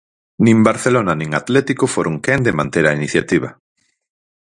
Nin Barcelona nin Atlético foron quen de manter a iniciativa.